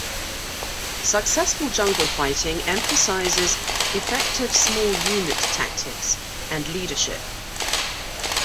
Successful jungle fighting emphasises effective small unit tactics and leadership.